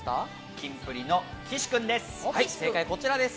キンプリの岸君です。